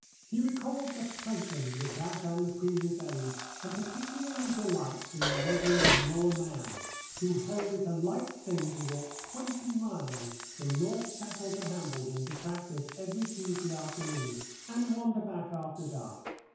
He recalls the Titans of that and the previous age, and particularly delights in the legend of Noah Mann, who held it a light thing to walk twenty miles from Northchapel to Hambledon to practise every Tuesday afternoon, and wander back after dark.